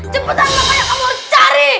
cepetan lah kayak kamu harus cari